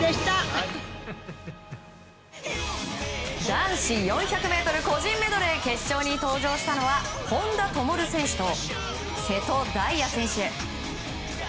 男子４００ｍ個人メドレー決勝に登場したのは本多灯選手と瀬戸大也選手。